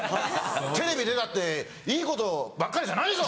「テレビ出たっていいことばっかりじゃないぞ！」